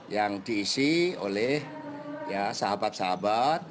yang diisi oleh sahabat sahabat